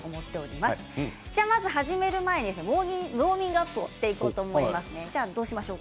まず始める前にウォーミングアップをしていこうと思います。